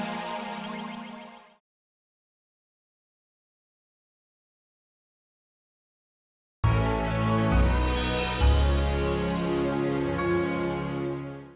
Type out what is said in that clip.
satu kejadian yang selalu saya